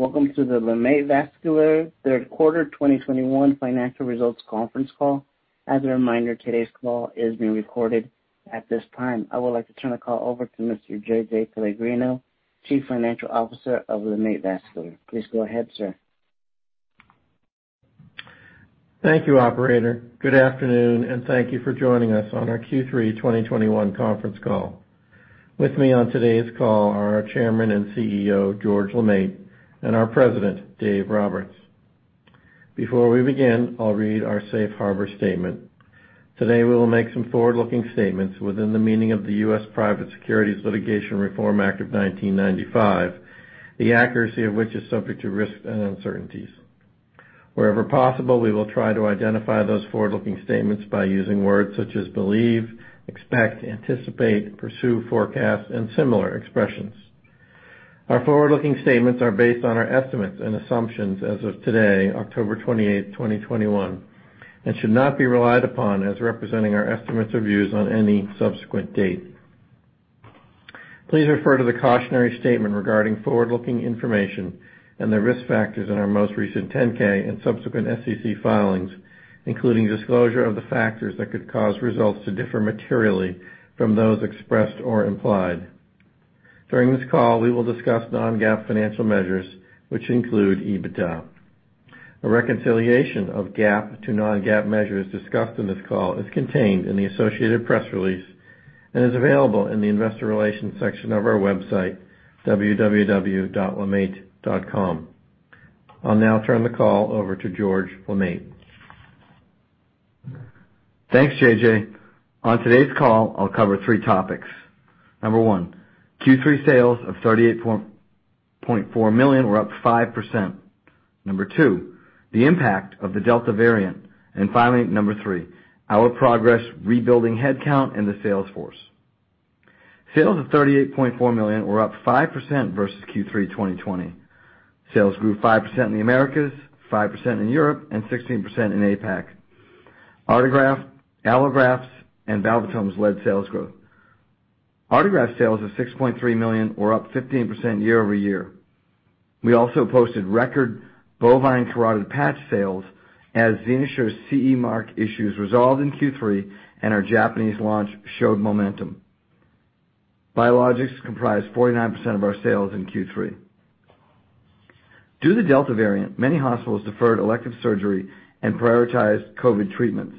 Welcome to the LeMaitre Vascular Q3 2021 Financial Results Conference Call. As a reminder, today's call is being recorded. At this time, I would like to turn the call over to Mr. JJ Pellegrino, Chief Financial Officer of LeMaitre Vascular. Please go ahead, sir. Thank you, operator. Good afternoon, and thank you for joining us on our Q3 2021 conference call. With me on today's call are our Chairman and CEO, George LeMaitre, and our President, Dave Roberts. Before we begin, I'll read our safe harbor statement. Today, we will make some forward-looking statements within the meaning of the U.S. Private Securities Litigation Reform Act of 1995, the accuracy of which is subject to risks and uncertainties. Wherever possible, we will try to identify those forward-looking statements by using words such as believe, expect, anticipate, pursue, forecast, and similar expressions. Our forward-looking statements are based on our estimates and assumptions as of today, 28 October 2021, and should not be relied upon as representing our estimates or views on any subsequent date. Please refer to the cautionary statement regarding forward-looking information and the risk factors in our most recent 10-K and subsequent SEC filings, including disclosure of the factors that could cause results to differ materially from those expressed or implied. During this call, we will discuss non-GAAP financial measures, which include EBITDA. A reconciliation of GAAP to non-GAAP measures discussed in this call is contained in the associated press release and is available in the investor relations section of our website, www.lemaitre.com. I'll now turn the call over to George LeMaitre. Thanks, JJ. On today's call, I'll cover three topics. Number one, Q3 sales of $38.4 million were up 5%. Number two, the impact of the Delta variant. Finally, number three, our progress rebuilding headcount and the sales force. Sales of $38.4 million were up 5% versus Q3 2020. Sales grew 5% in the Americas, 5% in Europe, and 16% in APAC. Artegraft, allografts, and valvulotomes led sales growth. Artegraft sales of $6.3 million were up 15% year-over-year. We also posted record bovine carotid patch sales as the initial CE mark issues resolved in Q3 and our Japanese launch showed momentum. Biologics comprised 49% of our sales in Q3. Due to the Delta variant, many hospitals deferred elective surgery and prioritized COVID treatments.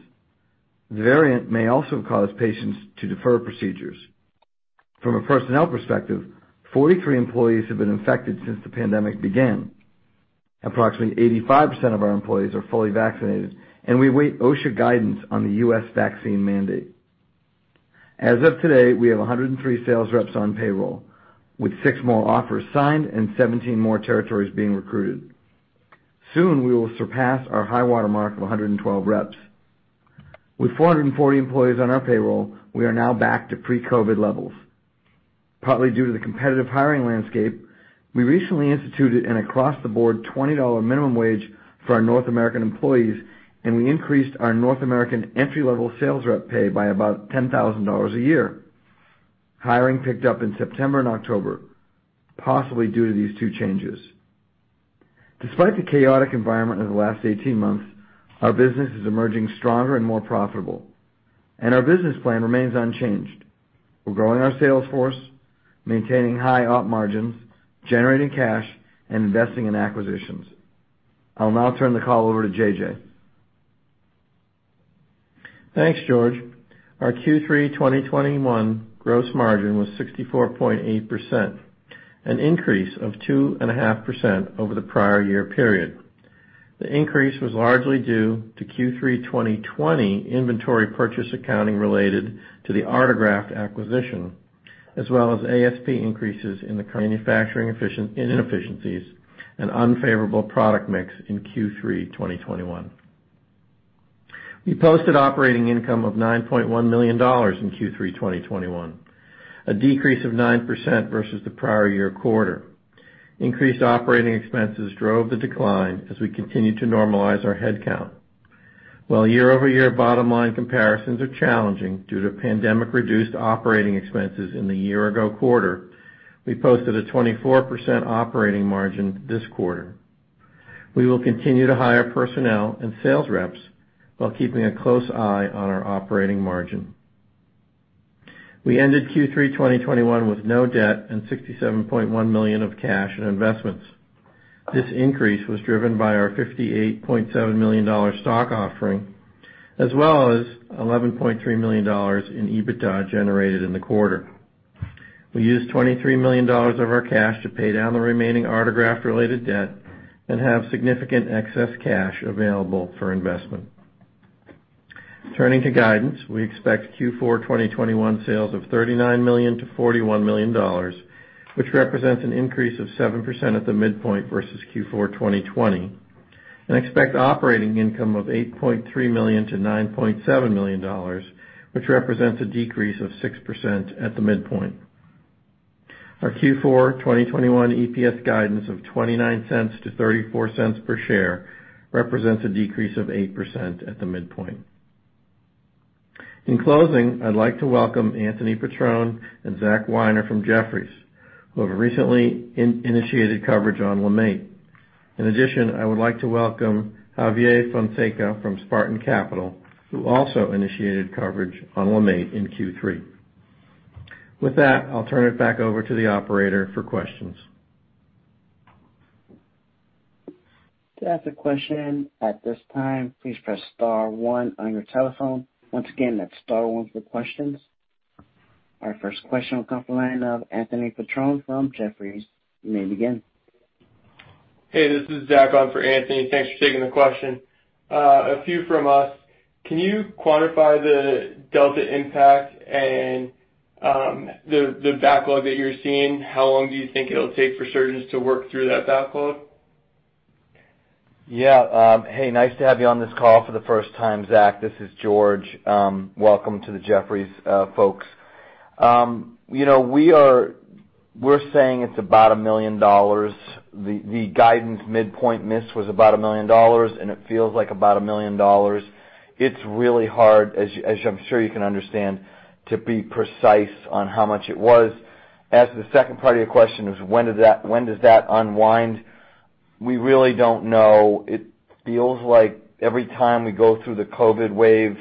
The variant may also cause patients to defer procedures. From a personnel perspective, 43 employees have been infected since the pandemic began. Approximately 85% of our employees are fully vaccinated, and we await OSHA guidance on the U.S. vaccine mandate. As of today, we have 103 sales reps on payroll, with 6 more offers signed and 17 more territories being recruited. Soon, we will surpass our high-water mark of 112 reps. With 440 employees on our payroll, we are now back to pre-COVID levels. Partly due to the competitive hiring landscape, we recently instituted an across-the-board $20 minimum wage for our North American employees, and we increased our North American entry-level sales rep pay by about $10,000 a year. Hiring picked up in September and October, possibly due to these two changes. Despite the chaotic environment of the last 18 months, our business is emerging stronger and more profitable, and our business plan remains unchanged. We're growing our sales force, maintaining high op margins, generating cash, and investing in acquisitions. I'll now turn the call over to JJ. Thanks, George. Our Q3 2021 gross margin was 64.8%, an increase of 2.5% over the prior year period. The increase was largely due to Q3 2020 inventory purchase accounting related to the Artegraft acquisition, as well as ASP increases in the manufacturing inefficiencies and unfavorable product mix in Q3 2021. We posted operating income of $9.1 million in Q3 2021, a decrease of 9% versus the prior year quarter. Increased operating expenses drove the decline as we continued to normalize our headcount. While year-over-year bottom line comparisons are challenging due to pandemic-reduced operating expenses in the year-ago quarter, we posted a 24% operating margin this quarter. We will continue to hire personnel and sales reps while keeping a close eye on our operating margin. We ended Q3 2021 with no debt and $67.1 million of cash and investments. This increase was driven by our $58.7 million stock offering as well as $11.3 million in EBITDA generated in the quarter. We used $23 million of our cash to pay down the remaining Artegraft-related debt and have significant excess cash available for investment. Turning to guidance, we expect Q4 2021 sales of $39 million-41 million, which represents an increase of 7% at the midpoint versus Q4 2020, and expect operating income of $8.3 million-9.7 million, which represents a decrease of 6% at the midpoint. Our Q4 2021 EPS guidance of $0.29-0.34 per share represents a decrease of 8% at the midpoint. In closing, I'd like to welcome Anthony Petrone and Zach Weiner from Jefferies, who have recently initiated coverage on LeMaitre. In addition, I would like to welcome Javier Fonseca from Spartan Capital, who also initiated coverage on LeMaitre in Q3. With that, I'll turn it back over to the operator for questions. Our first question will come from the line of Anthony Petrone from Jefferies. You may begin. Hey, this is Zach on for Anthony. Thanks for taking the question. A few from us. Can you quantify the Delta impact and the backlog that you're seeing? How long do you think it'll take for surgeons to work through that backlog? Yeah. Hey, nice to have you on this call for the first time, Zach. This is George. Welcome to the Jefferies folks. We're saying it's about $1 million. The guidance midpoint miss was about $1 million, and it feels like about $1 million. It's really hard, as I'm sure you can understand, to be precise on how much it was. The second part of your question is when does that unwind? We really don't know. It feels like every time we go through the COVID wave,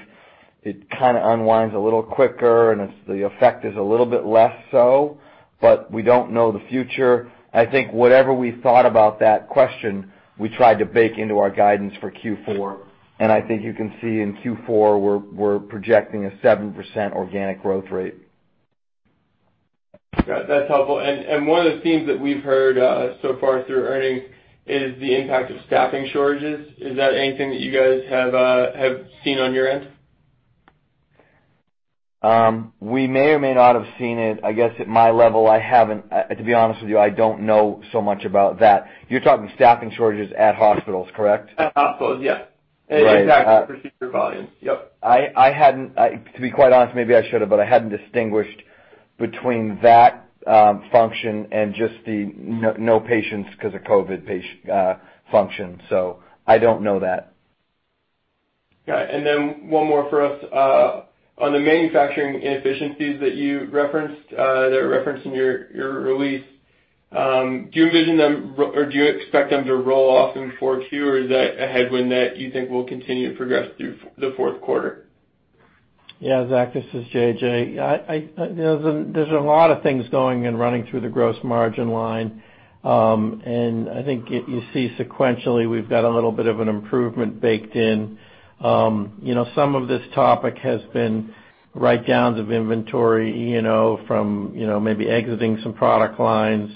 it kinda unwinds a little quicker, and the effect is a little bit less so, but we don't know the future. I think whatever we thought about that question, we tried to bake into our guidance for Q4, and I think you can see in Q4, we're projecting a 7% organic growth rate. That's helpful. One of the themes that we've heard so far through earnings is the impact of staffing shortages. Is that anything that you guys have seen on your end? We may or may not have seen it. I guess at my level, I haven't. To be honest with you, I don't know so much about that. You're talking staffing shortages at hospitals, correct? At hospitals, yeah. Right. Impact to procedure volume. Yep. To be quite honest, maybe I should have, but I hadn't distinguished between that function and just the no patients because of COVID patient function. I don't know that. Got it. One more for us. On the manufacturing inefficiencies that you referenced, that were referenced in your release, do you envision them or do you expect them to roll off in 4Q? Or is that a headwind that you think will continue to progress through the Q4? Yeah, Zach, this is JJ. There's a lot of things going on and running through the gross margin line. I think you see sequentially we've got a little bit of an improvement baked in. Some of these topics has been write-downs of inventory, E&O from maybe exiting some product lines,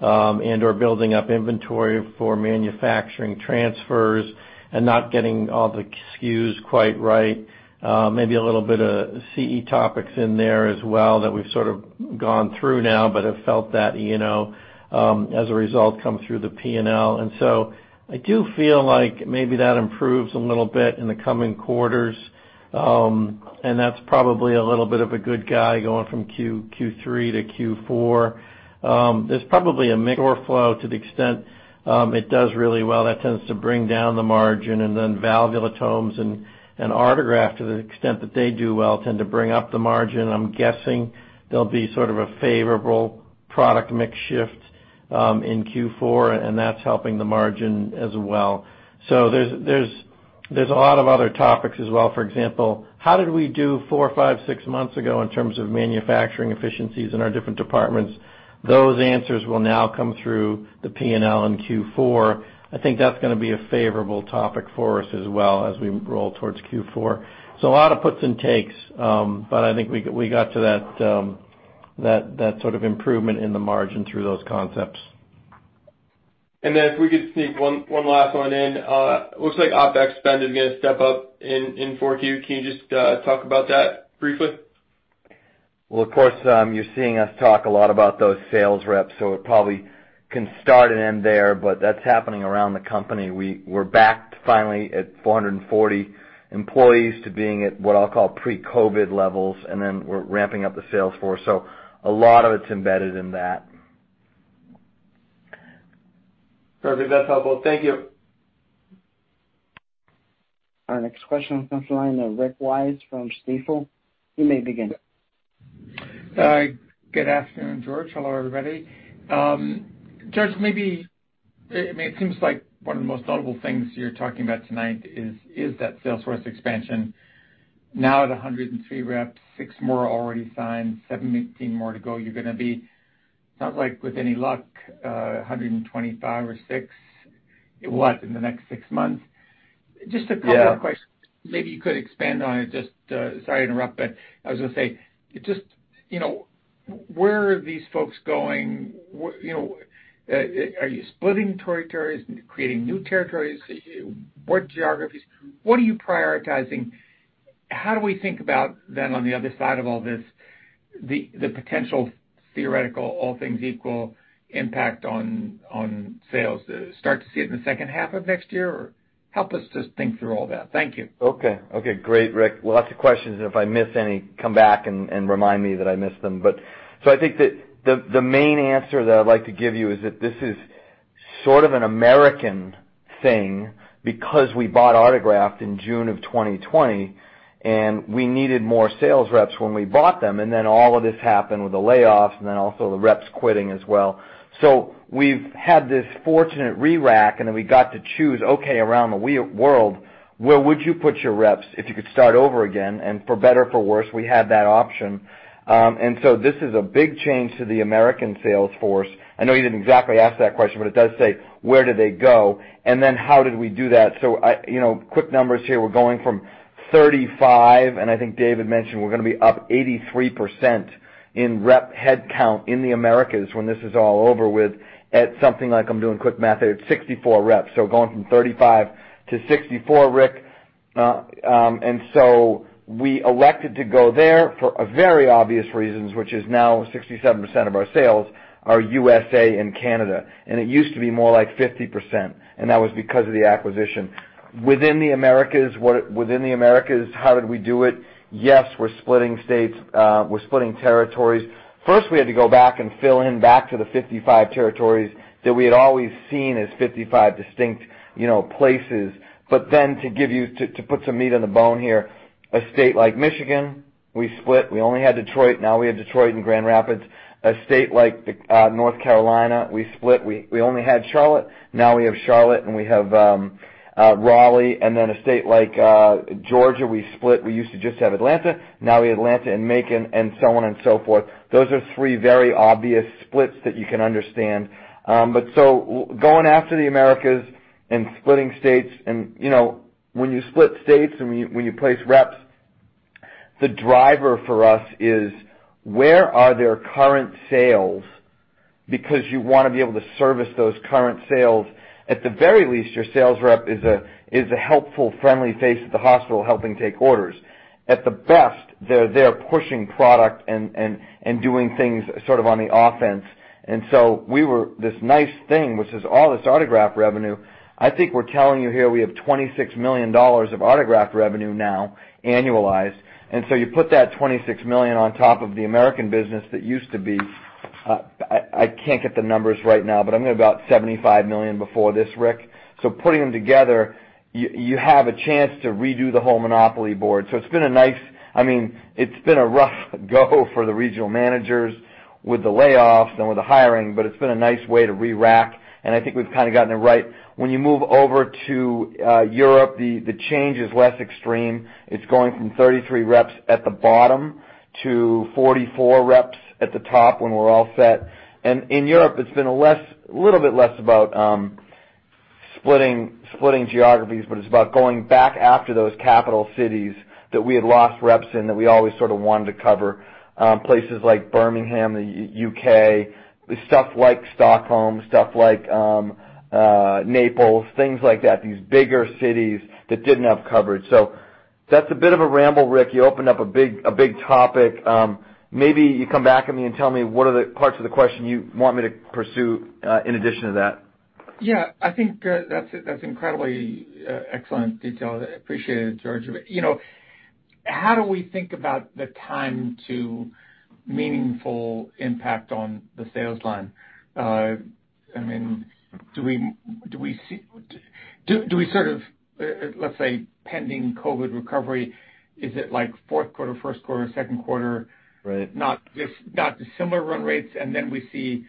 and, or building up inventory for manufacturing transfers and not getting all the SKUs quite right. Maybe a little bit of CE topics in there as well that we've sort of gone through now but have come through the P&L. I do feel like maybe that improves a little bit in the coming quarters, and that's probably a little bit of a tailwind going from Q3-Q4. There's probably a mix or flow to the extent it does really well. That tends to bring down the margin, and then valvulotomes and allograft to the extent that they do well tend to bring up the margin. I'm guessing there'll be sort of a favorable product mix shift in Q4, and that's helping the margin as well. There's a lot of other topics as well. For example, how did we do 4, 5, 6 months ago in terms of manufacturing efficiencies in our different departments? Those answers will now come through the P&L in Q4. I think that's gonna be a favorable topic for us as well as we roll towards Q4. So a lot of puts and takes, but I think we got to that sort of improvement in the margin through those concepts. If we could sneak one last one in. Looks like OpEx spend is gonna step up in 4Q. Can you just talk about that briefly? Well, of course, you're seeing us talk a lot about those sales reps, so it probably can start and end there, but that's happening around the company. We're back finally at 440 employees to being at what I'll call pre-COVID levels, and then we're ramping up the sales force. A lot of it's embedded in that. Perfect. That's helpful. Thank you. Our next question comes from the line of Rick Wise from Stifel. You may begin. Good afternoon, George. Hello, everybody. George, maybe, I mean, it seems like one of the most notable things you're talking about tonight is that sales force expansion. Now at 103 reps, 6 more already signed, 17 more to go, you're gonna be, sounds like with any luck, a 125 or 126, what, in the next 6 months. Just a couple of questions. Yeah. Maybe you could expand on it just, sorry to interrupt, but I was gonna say, just, where are these folks going? What are you splitting territories? Creating new territories? What geographies? What are you prioritizing? How do we think about then on the other side of all this, the potential theoretical all things equal impact on sales? Start to see it in the second half of next year? Or help us just think through all that. Thank you. Okay. Great, Rick. Well, lots of questions and if I miss any, come back and remind me that I missed them. I think that the main answer that I'd like to give you is that this is sort of an American thing because we bought Artegraft in June of 2020, and we needed more sales reps when we bought them, and then all of this happened with the layoffs and then also the reps quitting as well. We've had this fortunate re-rack, and then we got to choose, okay, around the world, where would you put your reps if you could start over again? For better or for worse, we had that option. This is a big change to the American sales force. I know you didn't exactly ask that question, but it does say, where did they go? Then how did we do that? I know, quick numbers here. We're going from 35, and I think David mentioned we're gonna be up 83% in rep headcount in the Americas when this is all over with, at something like, I'm doing quick math here, at 64 reps. Going from 35-64, Rick. We elected to go there for a very obvious reasons, which is now 67% of our sales are USA and Canada, and it used to be more like 50%, and that was because of the acquisition. Within the Americas, how did we do it? Yes, we're splitting states, we're splitting territories. First, we had to go back and fill in back to the 55 territories that we had always seen as 55 distinct places. To put some meat on the bone here, a state like Michigan, we split. We only had Detroit, now we have Detroit and Grand Rapids. A state like North Carolina, we split. We only had Charlotte, now we have Charlotte, and we have Raleigh. A state like Georgia, we split. We used to just have Atlanta, now we have Atlanta and Macon and so on and so forth. Those are three very obvious splits that you can understand. Going after the Americas and splitting states and, when you split states and when you place reps, the driver for us is where are their current sales, because you wanna be able to service those current sales. At the very least, your sales rep is a helpful friendly face at the hospital helping take orders. At the best, they're there pushing product and doing things sort of on the offense. This nice thing, which is all this Artegraft revenue, I think we're telling you here we have $26 million of Artegraft revenue now annualized. You put that $26 million on top of the American business that used to be, I can't get the numbers right now, but I'm gonna go about $75 million before this, Rick. Putting them together, you have a chance to redo the whole Monopoly board. It's been a nice. I mean, it's been a rough go for the regional managers with the layoffs, then with the hiring, but it's been a nice way to re-rack, and I think we've kinda gotten it right. When you move over to Europe, the change is less extreme. It's going from 33 reps at the bottom to 44 reps at the top when we're all set. In Europe, it's been a little bit less about splitting geographies, but it's about going back after those capital cities that we had lost reps in that we always sort of wanted to cover, places like Birmingham, the U.K., stuff like Stockholm, stuff like Naples, things like that, these bigger cities that didn't have coverage. That's a bit of a ramble, Rick. You opened up a big topic. Maybe you come back at me and tell me what are the parts of the question you want me to pursue, in addition to that. Yeah. I think that's incredibly excellent detail. I appreciate it, George. How do we think about the time to meaningful impact on the sales line? I mean, do we sort of, let's say, pending COVID recovery, is it like Q4, Q1, Q2 Right. Not the similar run rates, and then we see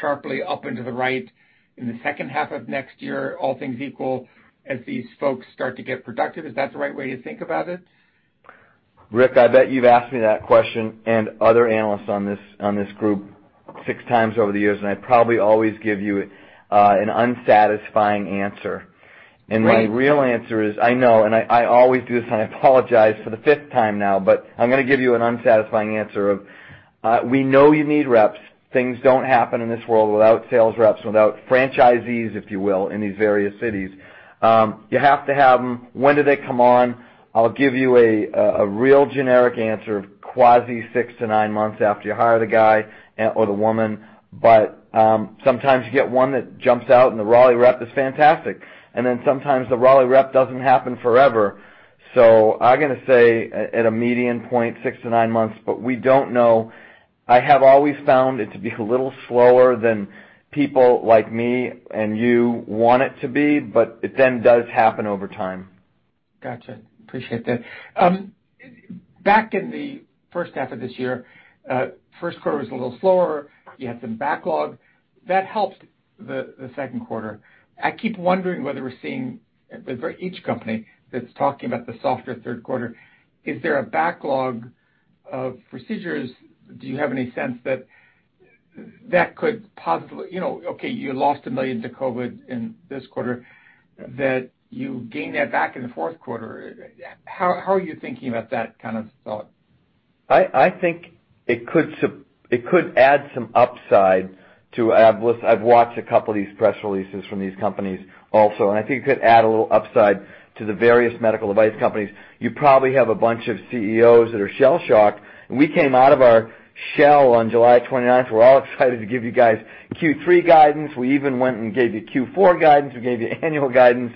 sharply up into the right in the second half of next year, all things equal, as these folks start to get productive. Is that the right way to think about it? Rick, I bet you've asked me that question and other analysts on this group 6 times over the years, and I'd probably always give you an unsatisfying answer. Great. My real answer is. I know, and I always do this, and I apologize for the fifth time now, but I'm gonna give you an unsatisfying answer of, we know you need reps. Things don't happen in this world without sales reps, without franchisees, if you will, in these various cities. You have to have them. When do they come on? I'll give you a real generic answer of quasi 6-9 months after you hire the guy or the woman. But sometimes you get one that jumps out, and the Raleigh rep is fantastic. Sometimes the Raleigh rep doesn't happen forever. I'm gonna say at a median point, 6-9 months, but we don't know. I have always found it to be a little slower than people like me and you want it to be, but it then does happen over time. Gotcha. Appreciate that. Back in the first half of this year, Q1 was a little slower. You had some backlog that helped the Q2. I keep wondering whether we're seeing, for each company that's talking about the softer Q3, is there a backlog of procedures? Do you have any sense that that could possibly okay, you lost $1 million to COVID in this quarter, that you gain that back in the Q4. How are you thinking about that kind of thought? I think it could add some upside to. I've watched a couple of these press releases from these companies also, and I think it could add a little upside to the various medical device companies. You probably have a bunch of CEOs that are shell-shocked. We came out of our shell on July 29. We're all excited to give you guys Q3 guidance. We even went and gave you Q4 guidance. We gave you annual guidance.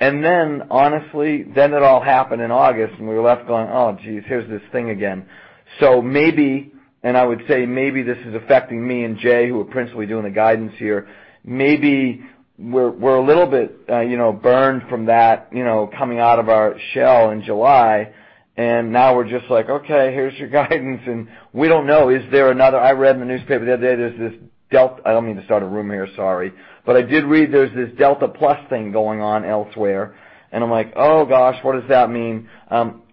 Honestly, it all happened in August, and we were left going, oh geez, here's this thing again. Maybe, and I would say, maybe this is affecting me and Jay, who are principally doing the guidance here, maybe we're a little bit burned from that, coming out of our shell in July, and now we're just, okay, here's your guidance. We don't know, is there another? I read in the newspaper the other day, there's this Delta. I don't mean to start a rumor here, sorry. I did read there's this Delta Plus thing going on elsewhere, and I'm like, oh gosh, what does that mean?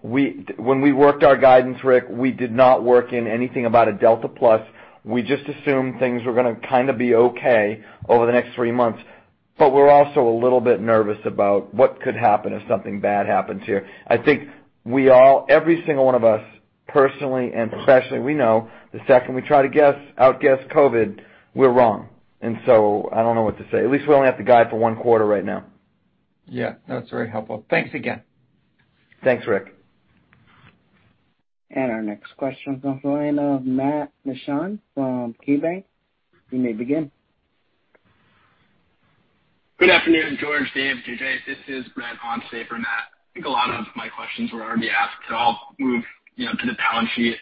When we worked our guidance, Rick, we did not work in anything about a Delta Plus. We just assumed things were gonna kinda be okay over the next 3 months. We're also a little bit nervous about what could happen if something bad happens here. I think we all, every single one of us, personally and professionally, we know the second we try to guess, outguess COVID, we're wrong. I don't know what to say. At least we only have to guide for one quarter right now. Yeah. No, that's very helpful. Thanks again. Thanks, Rick. Our next question comes from the line of Matt Mishan from KeyBanc Capital Markets. You may begin. Good afternoon, George, Dave, JJ. This is Brett on the line for Matt. I think a lot of my questions were already asked, so I'll move to the balance sheet.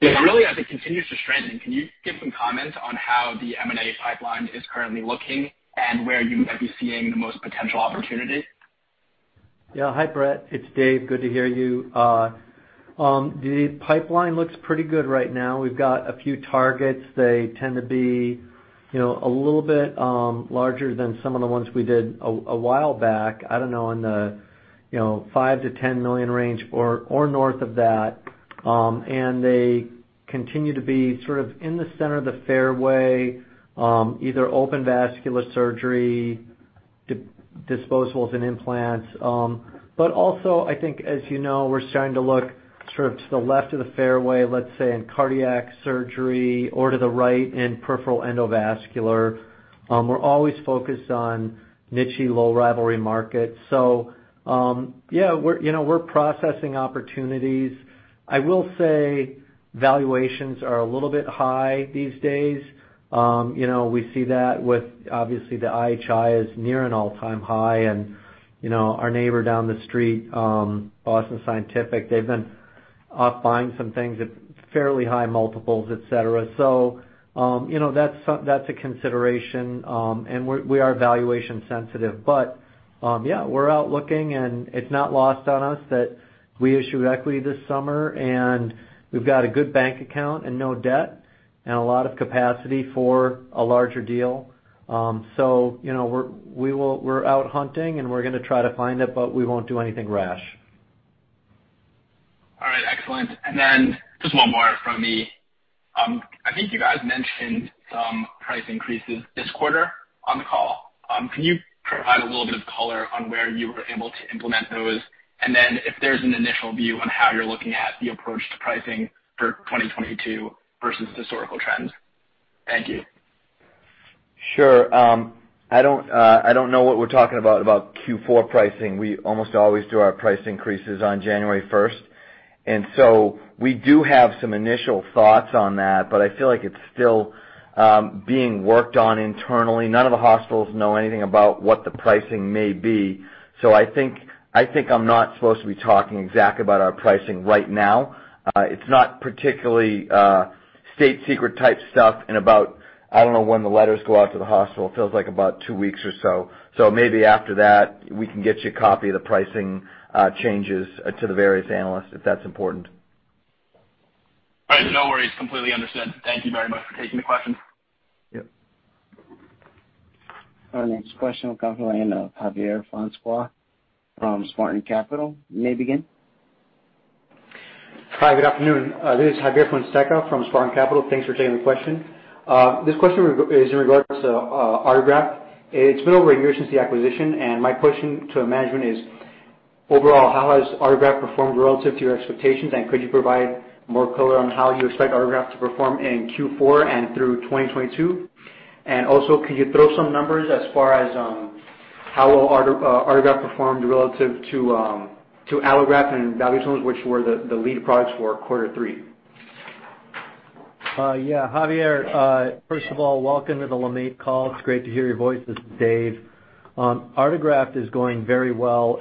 Dave, really as it continues to strengthen, can you give some comment on how the M&A pipeline is currently looking and where you might be seeing the most potential opportunity? Yeah. Hi, Brett. It's Dave. Good to hear you. The pipeline looks pretty good right now. We've got a few targets. They tend to be a little bit larger than some of the ones we did a while back, I don't know, in the $5 million-10 million range or north of that. They continue to be sort of in the center of the fairway, either open vascular surgery, disposables and implants. But also I think we're starting to look sort of to the left of the fairway, let's say in cardiac surgery or to the right in peripheral endovascular. We're always focused on niche-y, low rivalry markets. Yeah, We're processing opportunities. I will say valuations are a little bit high these days. We see that with, obviously, the IHI is near an all-time high and, our neighbor down the street, Boston Scientific, they've been off buying some things at fairly high multiples, et cetera. That's a consideration, and we are valuation sensitive. Yeah, we're out looking and it's not lost on us that we issued equity this summer and we've got a good bank account and no debt and a lot of capacity for a larger deal. We're out hunting, and we're gonna try to find it, but we won't do anything rash. All right. Excellent. Just one more from me. I think you guys mentioned some price increases this quarter on the call. Can you provide a little bit of color on where you were able to implement those? If there's an initial view on how you're looking at the approach to pricing for 2022 versus historical trends? Thank you. Sure. I don't know what we're talking about Q4 pricing. We almost always do our price increases on January 1, and so we do have some initial thoughts on that, but I feel like it's still being worked on internally. None of the hospitals know anything about what the pricing may be. I think I'm not supposed to be talking exactly about our pricing right now. It's not particularly state secret type stuff, and I don't know when the letters go out to the hospital, it feels like about 2 weeks or so. Maybe after that, we can get you a copy of the pricing changes to the various analysts, if that's important. All right. No worries. Completely understood. Thank you very much for taking the question. Yep. Our next question will come from the line of Javier Fonseca from Spartan Capital. You may begin. Hi. Good afternoon. This is Javier Fonseca from Spartan Capital. Thanks for taking the question. This question is in regards to Artegraft. It's been over a year since the acquisition, and my question to management is, overall, how has Artegraft performed relative to your expectations? Could you provide more color on how you expect Artegraft to perform in Q4 and through 2022? Also, can you throw some numbers as far as how well Artegraft performed relative to allograft and valvulotomes, which were the lead products for Q3? Javier, first of all, welcome to the LeMaitre call. It's great to hear your voice. This is Dave. Artegraft is going very well.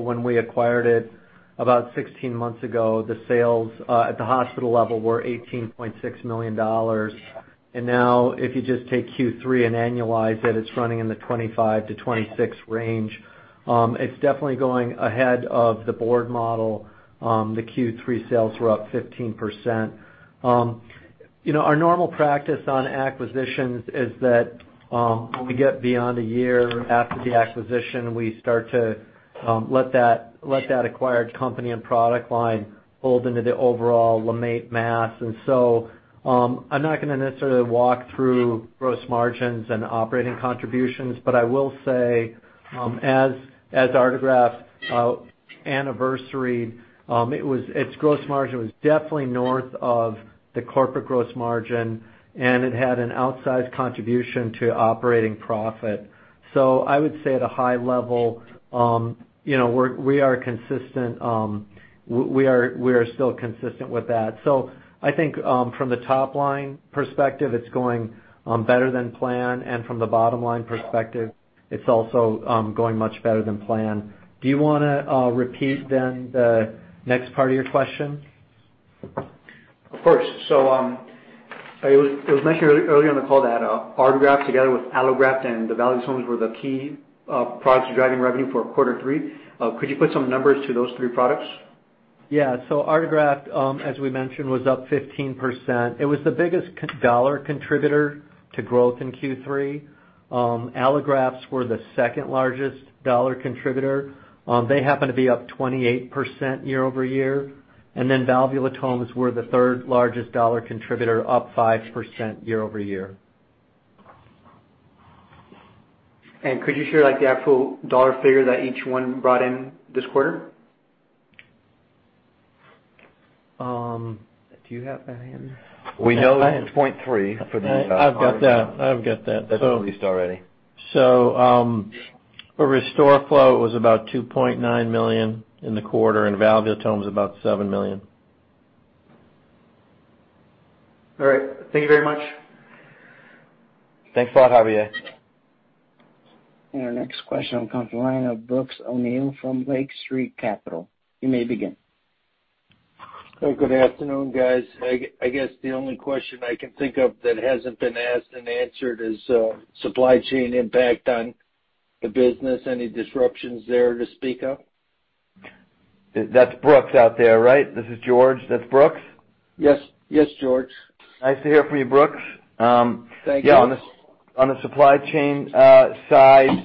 When we acquired it about 16 months ago, the sales at the hospital level were $18.6 million. Now if you just take Q3 and annualize it's running in the $25 million-26 million range. It's definitely going ahead of the board model. The Q3 sales were up 15%. Our normal practice on acquisitions is that, when we get beyond a year after the acquisition, we start to let that acquired company and product line fold into the overall LeMaitre mass. I'm not gonna necessarily walk through gross margins and operating contributions, but I will say, as Artegraft anniversaried, it was. Its gross margin was definitely north of the corporate gross margin, and it had an outsized contribution to operating profit. I would say at a high level we are still consistent with that. I think from the top line perspective, it's going better than planned, and from the bottom line perspective, it's also going much better than planned. Do you wanna repeat then the next part of your question? Of course. It was mentioned earlier in the call that Artegraft together with allograft and the valvulotomes were the key products driving revenue for Q3. Could you put some numbers to those three products? Artegraft, as we mentioned, was up 15%. It was the biggest dollar contributor to growth in Q3. Allografts were the second largest dollar contributor. They happen to be up 28% year-over-year. Valvulotomes were the third largest dollar contributor, up 5% year-over-year. Could you share the actual dollar figure that each one brought in this quarter? Do you have that in? We know it's 0.3 for the valvulotome. I've got that. That's released already. For RestoreFlow, it was about $2.9 million in the quarter, and valvulotomes about $7 million. All right. Thank you very much. Thanks a lot, Javier. Our next question will come from the line of Brooks O'Neil from Lake Street Capital. You may begin. Hey, good afternoon, guys. I guess the only question I can think of that hasn't been asked and answered is, supply chain impact on the business. Any disruptions there to speak of? That's Brooks out there, right? This is George. That's Brooks? Yes. Yes, George. Nice to hear from you, Brooks. Thank you. Yeah, on the supply chain side,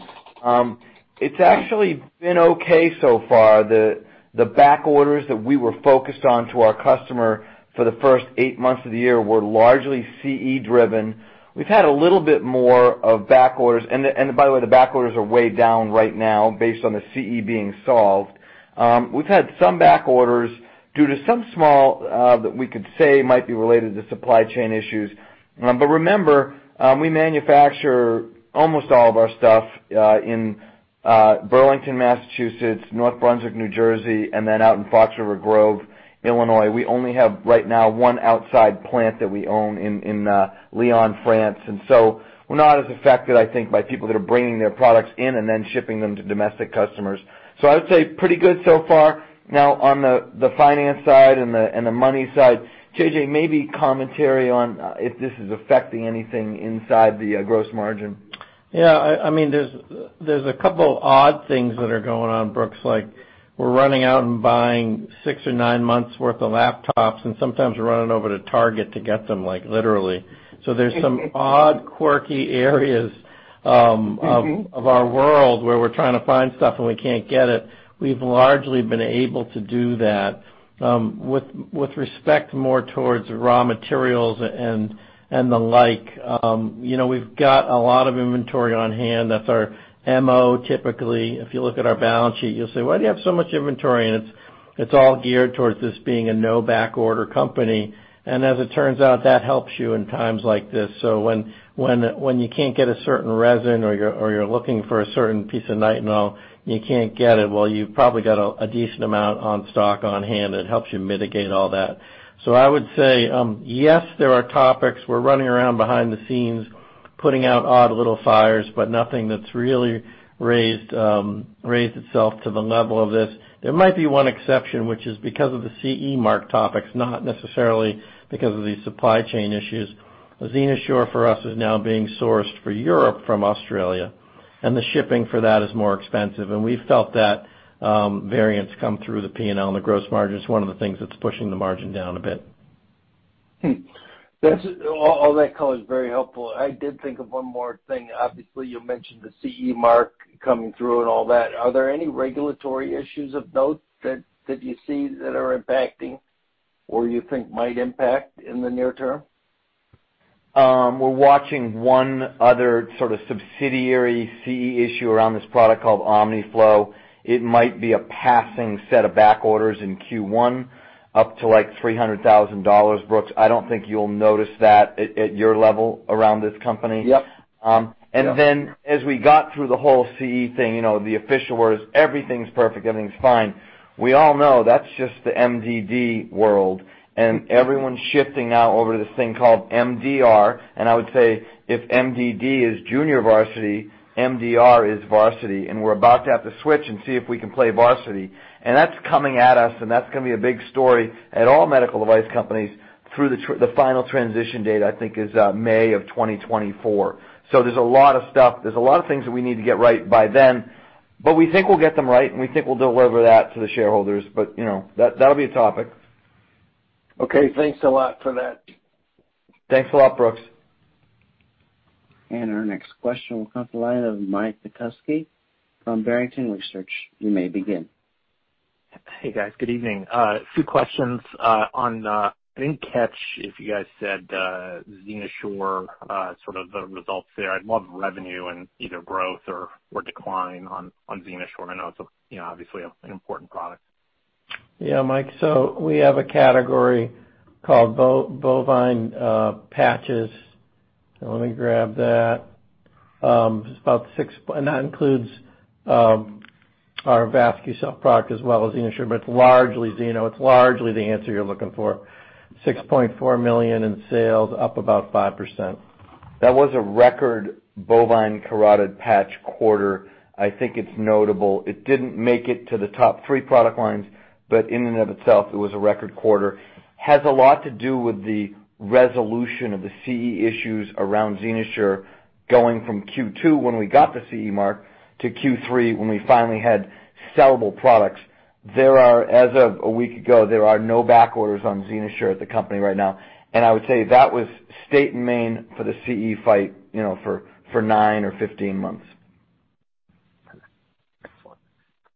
it's actually been okay so far. The back orders that we were focused on to our customer for the first 8 months of the year were largely CE-driven. We've had a little bit more of back orders, and by the way, the back orders are way down right now based on the CE being solved. We've had some back orders due to some small that we could say might be related to supply chain issues. Remember, we manufacture almost all of our stuff in Burlington, Massachusetts, North Brunswick, New Jersey, and then out in Fox River Grove, Illinois. We only have right now one outside plant that we own in Lyon, France. We're not as affected, I think, by people that are bringing their products in and then shipping them to domestic customers. I would say pretty good so far. Now, on the finance side and the money side, JJ maybe commentary on if this is affecting anything inside the gross margin. Yeah. I mean, there's a couple odd things that are going on, Brooks, like we're running out and buying 6 or 9 months worth of laptops, and sometimes we're running over to Target to get them, literally. There's some odd, quirky areas of our world where we're trying to find stuff and we can't get it. We've largely been able to do that. With respect more towards raw materials and the like, we've got a lot of inventory on hand. That's our MO, typically. If you look at our balance sheet, you'll say, "Why do you have so much inventory?" It's all geared towards this being a no-back order company. As it turns out, that helps you in times like this. When you can't get a certain resin or you're looking for a certain piece of nitinol and you can't get it, well, you've probably got a decent amount on stock on hand that helps you mitigate all that. I would say yes, there are topics. We're running around behind the scenes, putting out odd little fires, but nothing that's really raised itself to the level of this. There might be one exception, which is because of the CE mark topics not necessarily because of the supply chain issues. XenoSure for us is now being sourced for Europe from Australia, and the shipping for that is more expensive. We felt that variance come through the P&L and the gross margin is one of the things that's pushing the margin down a bit. That's all that color is very helpful. I did think of one more thing. Obviously, you mentioned the CE mark coming through and all that. Are there any regulatory issues of note that you see that are impacting or you think might impact in the near term? We're watching one other sort of subsidiary CE issue around this product called Omniflow. It might be a passing set of back orders in Q1 up to $300,000, Brooks. I don't think you'll notice that at your level around this company. Yep. As we got through the whole CE thing the official word is everything's perfect, everything's fine. We all know that's just the MDD world, and everyone's shifting now over to this thing called MDR. I would say if MDD is junior varsity, MDR is varsity, and we're about to have to switch and see if we can play varsity. That's coming at us, and that's gonna be a big story at all medical device companies through the final transition date, I think is May of 2024. There's a lot of stuff. There's a lot of things that we need to get right by then, but we think we'll get them right, and we think we'll deliver that to the shareholders. That'll be a topic. Okay. Thanks a lot for that. Thanks a lot, Brooks. Our next question will come from the line of Michael Petusky from Barrington Research. You may begin. Hey, guys. Good evening. Two questions. I didn't catch if you guys said XenoSure, sort of the results there. I'd love revenue and either growth or decline on XenoSure. I know it's obviously an important product. Yeah, Mike. We have a category called bovine patches, let me grab that. It's about 6 that includes our VascuCel product as well as XenoSure, but it's largely Xeno. It's largely the answer you're looking for. $6.4 million in sales, up about 5%. That was a record bovine carotid patch quarter, I think it's notable. It didn't make it to the top 3 product lines, but in and of itself, it was a record quarter. Has a lot to do with the resolution of the CE issues around XenoSure going from Q2 when we got the CE mark to Q3 when we finally had sellable products. There are, as of a week ago, no back orders on XenoSure at the company right now, and I would say that was stayed the same for the CE mark for 9 or 15 months.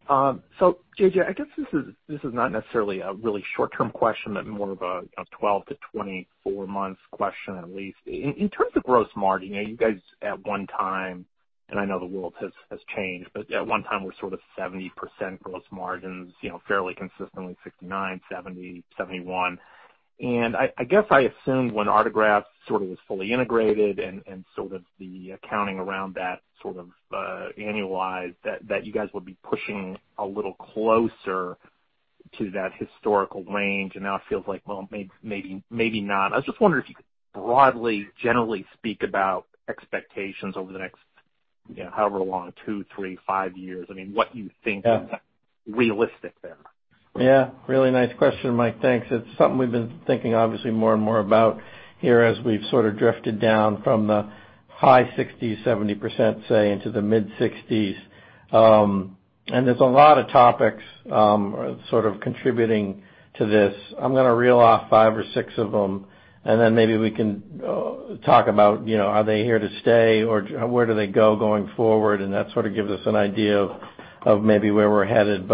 Excellent. So JJ, I guess this is not necessarily a really short-term question, but more of a 12-24 months question, at least. In terms of gross margin you guys at one time, and I know the world has changed, but at one time were sort of 70% gross margins fairly consistently 69%, 70%, 71%. I guess I assumed when Artegraft sort of was fully integrated and sort of the accounting around that sort of annualized, that you guys would be pushing a little closer to that historical range, and now it feels well, maybe not. I was just wondering if you could broadly, generally speak about expectations over the next, however long, 2, 3, 5 years. I mean, what you think. Yeah. Is realistic there? Yeah. Really nice question, Mike. Thanks. It's something we've been thinking obviously more and more about here as we've sort of drifted down from the high 60%-70%, say, into the mid-60s. And there's a lot of topics, sort of contributing to this. I'm gonna reel off 5 or 6 of them, and then maybe we can talk about are they here to stay or where do they go going forward? That sort of gives us an idea of maybe where we're headed.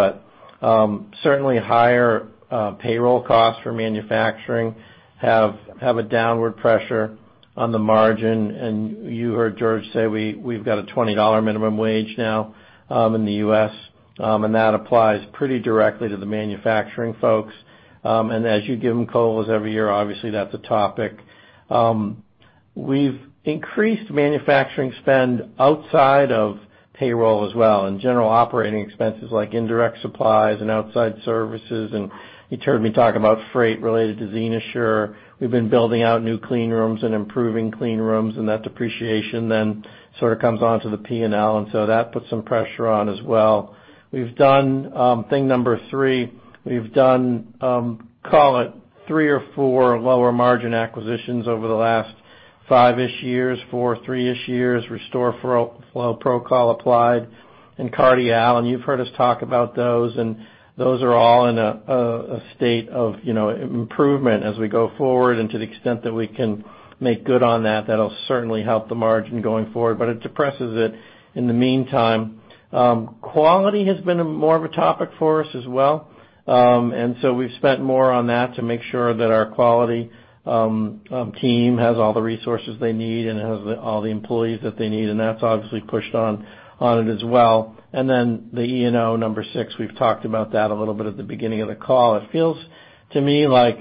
Certainly higher payroll costs for manufacturing have a downward pressure on the margin. You heard George say we've got a $20 minimum wage now, in the U.S., and that applies pretty directly to the manufacturing folks. As you give them goals every year, obviously that's a topic. We've increased manufacturing spend outside of payroll as well, and general operating expenses like indirect supplies and outside services. You heard me talk about freight related to XenoSure. We've been building out new clean rooms and improving clean rooms, and that depreciation then sort of comes onto the P&L, and so that puts some pressure on as well. We've done thing number 3, call it 3 or 4 lower margin acquisitions over the last 5-ish years, 4, 3-ish years, RestoreFlow, ProCol, Applied, and Cardial. You've heard us talk about those, and those are all in a state of improvement as we go forward. To the extent that we can make good on that'll certainly help the margin going forward, but it depresses it in the meantime. Quality has been a more of a topic for us as well. We've spent more on that to make sure that our quality team has all the resources they need and has all the employees that they need, and that's obviously pushed on it as well. The E&O, number 6, we've talked about that a little bit at the beginning of the call. It feels to me like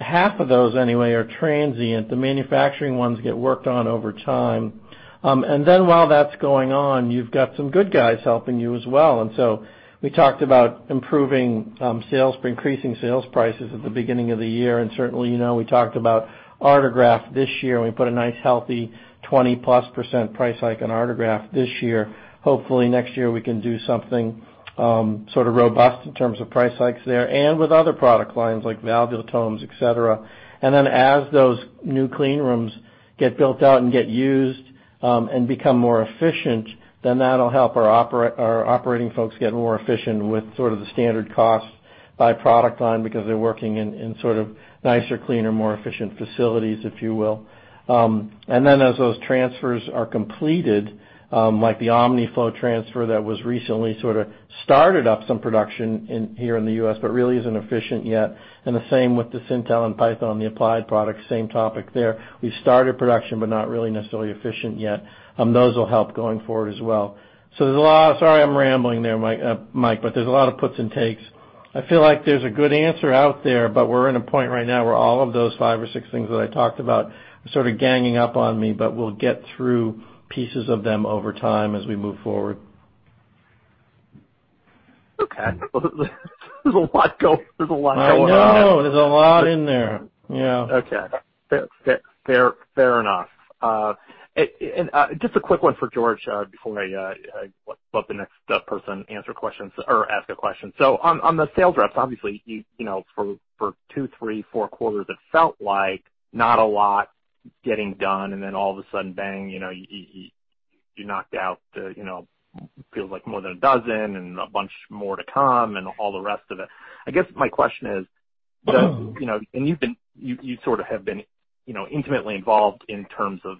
half of those, anyway, are transient. The manufacturing ones get worked on over time. While that's going on, you've got some good guys helping you as well. We talked about improving sales, increasing sales prices at the beginning of the year, and certainly we talked about Artegraft this year, and we put a nice, healthy 20%+ price hike on Artegraft this year. Hopefully, next year we can do something, sort of robust in terms of price hikes there and with other product lines like valvulotomes, et cetera. As those new clean rooms get built out and get used, and become more efficient, then that'll help our operating folks get more efficient with sort of the standard cost by product line because they're working in sort of nicer, cleaner, more efficient facilities, if you will. As those transfers are completed, like the Omniflow transfer that was recently sort of started up some production here in the U.S., but really isn't efficient yet. The same with the Syntel and Python, the Applied product, same topic there. We started production, but not really necessarily efficient yet. Those will help going forward as well. There's a lot, sorry, I'm rambling there, Mike, but there's a lot of puts and takes. I feel like there's a good answer out there, but we're in a point right now where all of those 5 or 6 things that I talked about are sort of ganging up on me, but we'll get through pieces of them over time as we move forward. Okay. Well, there's a lot going on. I know. There's a lot in there. Yeah. Okay. Fair enough. And just a quick one for George before I let the next person answer questions or ask a question. On the sales reps, obviously, for 2, 3, 4 quarters, it felt like not a lot getting done, and then all of a sudden, bang, you knocked out the feels like more than a dozen and a bunch more to come and all the rest of it. I guess my question is. Mm-hmm. You've sort of been intimately involved in terms of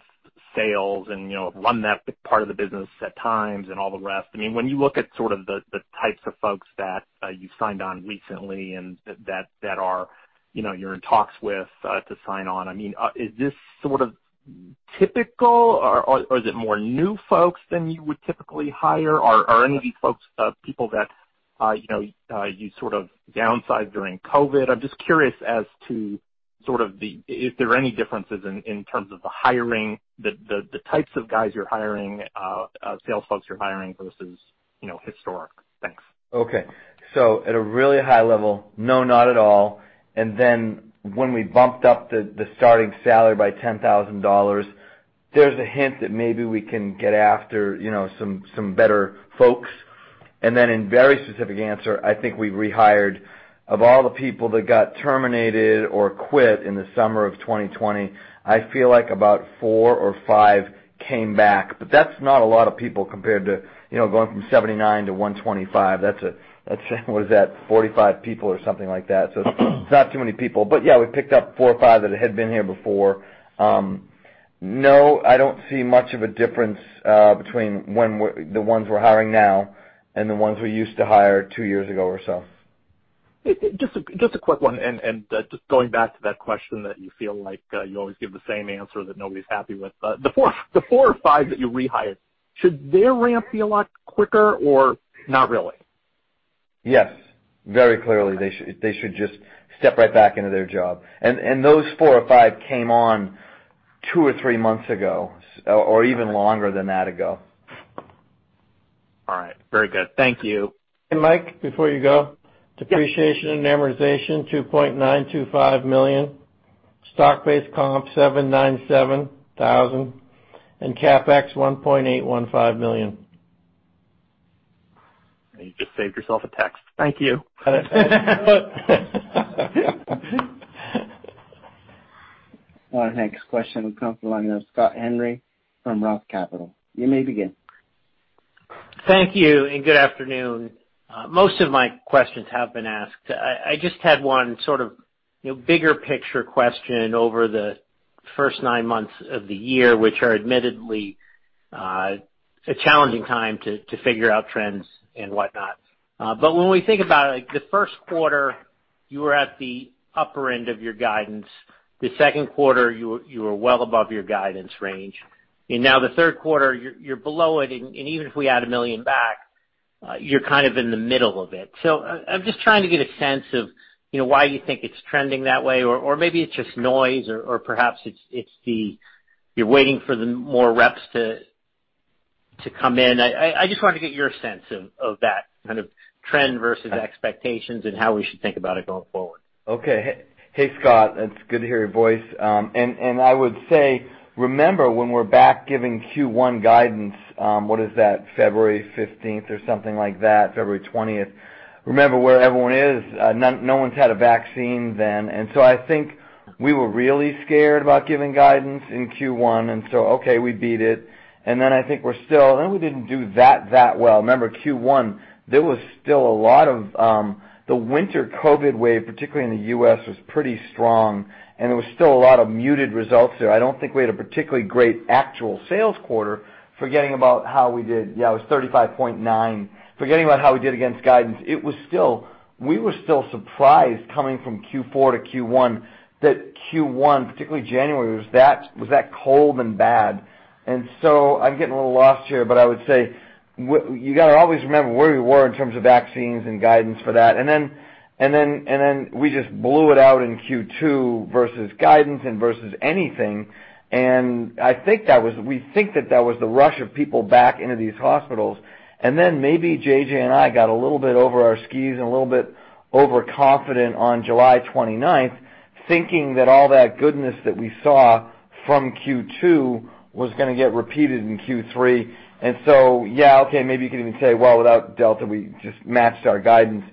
sales and, run that part of the business at times and all the rest. I mean, when you look at sort of the types of folks that you've signed on recently and that are, you're in talks with to sign on, I mean, is this sort of typical or is it more new folks than you would typically hire? Or any of these folks people that you sort of downsized during COVID? I'm just curious as to sort of the differences in terms of the hiring, the types of guys you're hiring, sales folks you're hiring versus historical? Thanks. Okay. At a really high level, no, not at all. Then when we bumped up the starting salary by $10,000, there's a hint that maybe we can get after some better folks. In very specific answer, I think we rehired of all the people that got terminated or quit in the summer of 2020, I feel like about 4 or 5 came back, but that's not a lot of people compared to going from 79-125. That's a what is that? 45 people or something like that. It's not too many people. But yeah, we picked up 4 or 5 that had been here before. No, I don't see much of a difference between the ones we're hiring now and the ones we used to hire 2 years ago or so. Just a quick one, and just going back to that question that you feel like you always give the same answer that nobody's happy with. The 4 or 5 that you rehired, should their ramp be a lot quicker or not really? Yes, very clearly, they should just step right back into their job. Those 4 or 5 came on 2 or 3 months ago or even longer than that ago. All right. Very good. Thank you. Hey, Mike, before you go. Yeah. Depreciation and amortization, $2.925 million. Stock-based comp, $797 thousand, and CapEx, $1.815 million. You just saved yourself a text. Thank you. Our next question comes from the line of Scott Henry from ROTH Capital. You may begin. Thank you and good afternoon. Most of my questions have been asked. I just had one sort of bigger picture question over the first 9 months of the year, which are admittedly a challenging time to figure out trends and whatnot. When we think about it, the Q1, you were at the upper end of your guidance. The Q2, you were well above your guidance range. Now the Q3, you're below it. Even if we add $1 million back, you're kind of in the middle of it. I'm just trying to get a sense of why you think it's trending that way, or maybe it's just noise or perhaps it's the. You're waiting for the more reps to come in. I just wanted to get your sense of that kind of trend versus expectations and how we should think about it going forward. Okay. Hey, Scott, it's good to hear your voice. I would say, remember when we're back giving Q1 guidance, what is that? February 15 or something like that, February 20. Remember where everyone is, no one's had a vaccine then. I think we were really scared about giving guidance in Q1. Okay, we beat it. I think we're still we didn't do that well. Remember Q1, there was still a lot of. The winter COVID wave, particularly in the U.S., was pretty strong, and there was still a lot of muted results there. I don't think we had a particularly great actual sales quarter forgetting about how we did. Yeah, it was $35.9 million. Forgetting about how we did against guidance, it was still. We were still surprised coming from Q4-Q1 that Q1, particularly January, was that cold and bad. I'm getting a little lost here, but I would say you gotta always remember where we were in terms of vaccines and guidance for that. Then we just blew it out in Q2 versus guidance and versus anything. I think that was. We think that was the rush of people back into these hospitals. Maybe JJ and I got a little bit over our skis and a little bit overconfident on July 29, thinking that all that goodness that we saw from Q2 was gonna get repeated in Q3. Yeah, okay, maybe you can even say, well, without Delta, we just matched our guidance.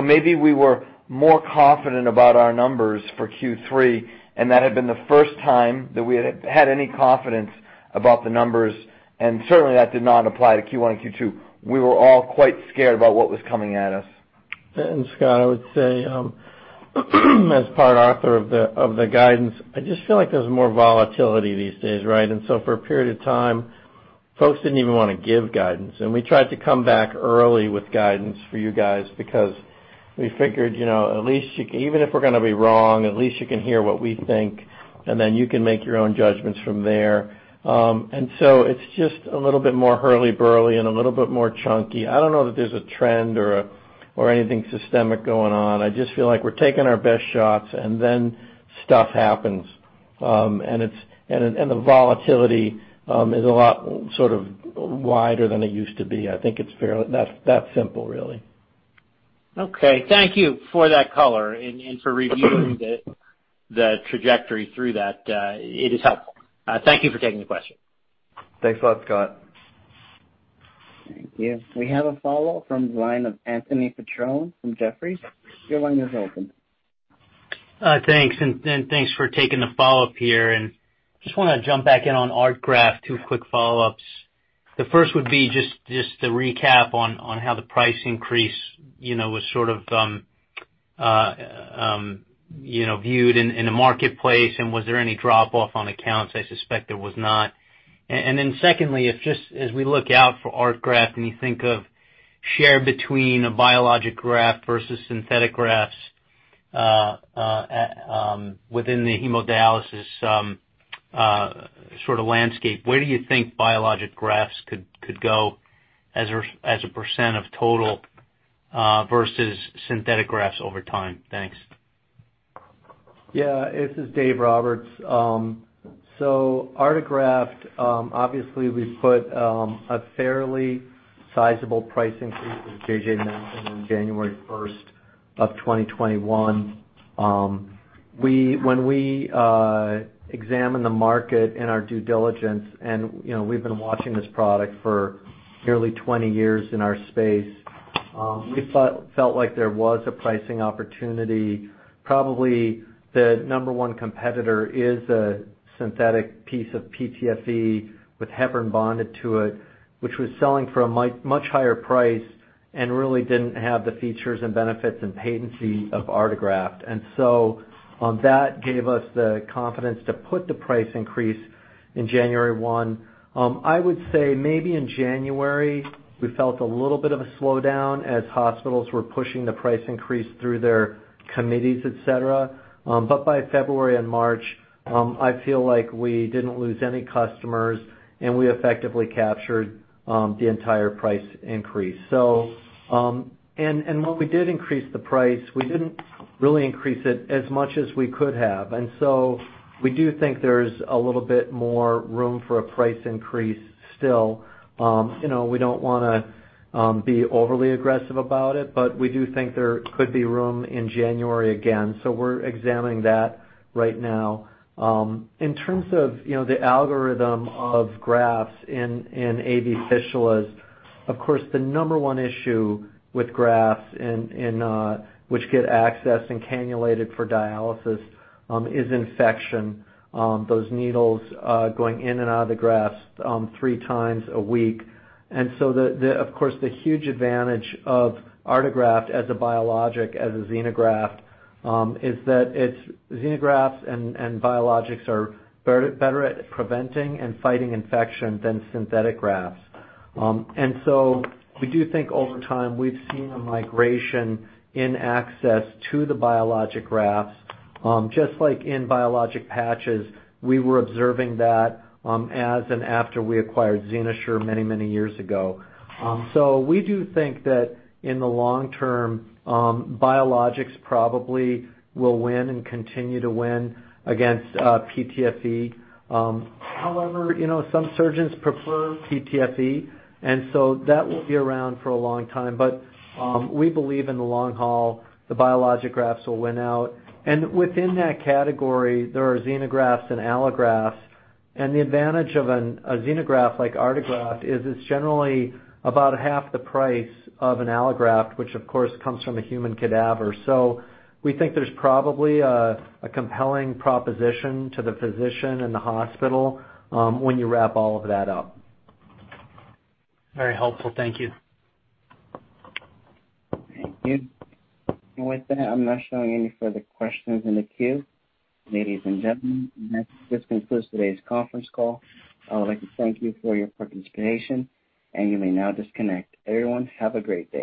Maybe we were more confident about our numbers for Q3, and that had been the first time that we had any confidence about the numbers. Certainly that did not apply to Q1 and Q2. We were all quite scared about what was coming at us. Scott, I would say, as part author of the guidance, I just feel like there's more volatility these days, right? For a period of time, folks didn't even wanna give guidance. We tried to come back early with guidance for you guys because we figured even if we're gonna be wrong, at least you can hear what we think, and then you can make your own judgments from there. It's just a little bit more hurly burly and a little bit more chunky. I don't know that there's a trend or anything systemic going on. I just feel like we're taking our best shots and then stuff happens. The volatility is a lot sort of wider than it used to be. I think it's that simple, really. Okay, thank you for that color and for reviewing the trajectory through that. It is helpful. Thank you for taking the question. Thanks a lot, Scott. Thank you. We have a follow from the line of Anthony Petrone from Jefferies. Your line is open. Thanks and thanks for taking the follow-up here. Just wanna jump back in on Artegraft, two quick follow-ups. The first would be just to recap on how the price increase was sort of viewed in the marketplace and was there any drop off on accounts? I suspect there was not. Then secondly, just as we look out for Artegraft and you think of share between a biologic graft versus synthetic grafts within the hemodialysis sort of landscape, where do you think biologic grafts could go as a percent of total versus synthetic grafts over time? Thanks. Yeah. This is Dave Roberts. Artegraft, obviously we put a fairly sizable price increase, as JJ mentioned, on 1 January 2021. When we examine the market in our due diligence we've been watching this product for nearly 20 years in our space, we felt like there was a pricing opportunity. Probably the number one competitor is a synthetic piece of PTFE with heparin bonded to it, which was selling for a much higher price and really didn't have the features and benefits and patency of Artegraft. That gave us the confidence to put the price increase in January 1. I would say maybe in January we felt a little bit of a slowdown as hospitals were pushing the price increase through their committees, et cetera. By February and March, I feel like we didn't lose any customers, and we effectively captured the entire price increase. When we did increase the price, we didn't really increase it as much as we could have. We do think there's a little bit more room for a price increase still. We don't wanna be overly aggressive about it, but we do think there could be room in January again. We're examining that right now. In terms of the algorithm of grafts in AV fistulas which get accessed and cannulated for dialysis is infection. Those needles going in and out of the grafts 3 times a week. Of course, the huge advantage of Artegraft as a biologic, as a xenograft, is that it's xenografts and Biologics are better at preventing and fighting infection than synthetic grafts. We do think over time, we've seen a migration in access to the biologic grafts. Just like in biologic patches, we were observing that, and after we acquired XenoSure many, many years ago. We do think that in the long term, biologics probably will win and continue to win against PTFE. However, some surgeons prefer PTFE, and that will be around for a long time. We believe in the long haul, the biologic grafts will win out. Within that category, there are xenografts and allografts. The advantage of a xenograft like Artegraft is it's generally about half the price of an allograft, which of course comes from a human cadaver. We think there's probably a compelling proposition to the physician and the hospital, when you wrap all of that up. Very helpful. Thank you. Thank you. With that, I'm not showing any further questions in the queue. Ladies and gentlemen, this concludes today's conference call. I would like to thank you for your participation, and you may now disconnect. Everyone, have a great day.